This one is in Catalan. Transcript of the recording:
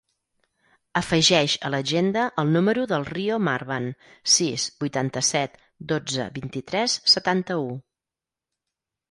Afegeix a l'agenda el número del Rio Marban: sis, vuitanta-set, dotze, vint-i-tres, setanta-u.